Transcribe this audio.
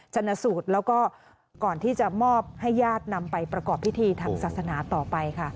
ชนสูตรแล้วก็ก่อนที่จะมอบให้ญาตินำไปประกอบพิธีทางศาสนาต่อไปค่ะ